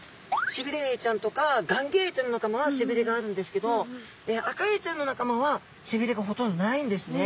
シビレエイちゃんとかガンギエイちゃんの仲間はせびれがあるんですけどアカエイちゃんの仲間はせびれがほとんどないんですね。